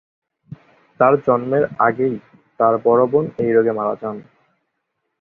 তাঁর জন্মের আগেই তাঁর বড়ো বোন এই রোগে মারা যান।